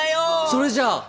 それじゃあ。